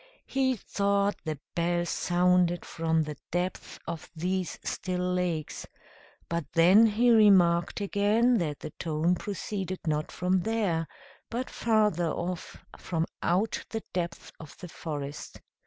He thought the bell sounded from the depths of these still lakes; but then he remarked again that the tone proceeded not from there, but farther off, from out the depths of the forest.